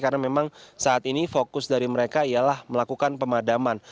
karena memang saat ini fokus dari mereka ialah melakukan pemadaman